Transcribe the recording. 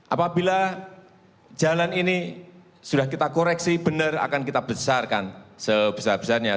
apabila jalan ini sudah kita koreksi benar akan kita besarkan sebesar besarnya